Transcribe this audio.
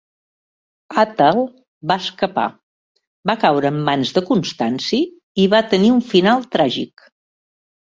Àtal va escapar, va caure en mans de Constanci i va tenir un final tràgic.